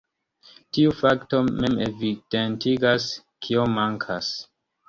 Tiu fakto mem evidentigas, kio mankas.